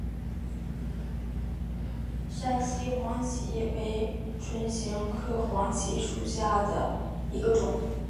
山西黄芩为唇形科黄芩属下的一个种。